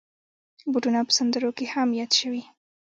بوټونه په سندرو کې هم یاد شوي.